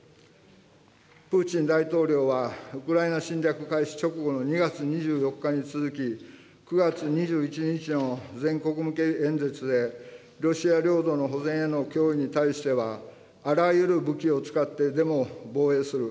プーチン大統領は、ウクライナ侵略開始直後の２月２４日に続き、９月２１日の全国向け演説で、ロシア領土の保全への脅威に対しては、あらゆる武器を使ってでも防衛する。